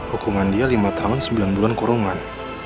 hukuman dia lima tahun sembilan bulan kurungan